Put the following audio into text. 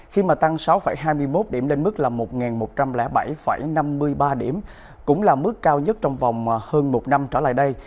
khi mà tăng sáu hai mươi một điểm lên mức là một một trăm linh bảy năm mươi ba điểm cũng là mức cao nhất trong vòng hơn một năm trở lại đây